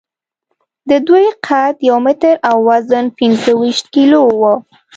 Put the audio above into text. د دوی قد یو متر او وزن پینځهویشت کیلو و.